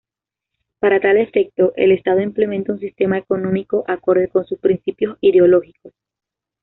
Para tal efecto, el Estado implementa un sistema económico acorde con sus principios ideológicos.